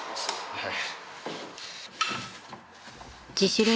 はい。